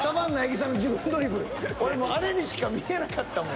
俺もうあれにしか見えなかったもん。